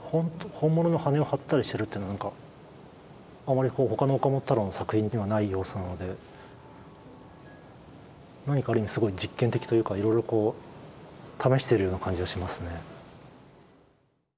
本物の羽根を貼ったりしてるって何かあまり他の岡本太郎の作品にはない要素なので何かある意味すごい実験的というかいろいろこう試しているような感じはしますね。